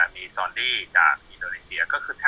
แล้วช่างคนนั้นเนี่ยหมอค่าเครื่องมือ